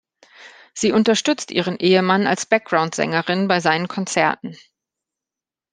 Sie unterstützt ihren Ehemann als Backgroundsängerin bei seinen Konzerten.